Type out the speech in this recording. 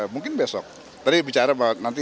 mungkin besok tadi bicara pak